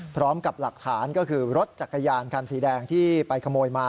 พร้อมกับหลักฐานก็คือรถจักรยานคันสีแดงที่ไปขโมยมา